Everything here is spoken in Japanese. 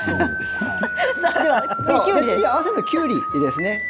次に合わせるのはきゅうりです。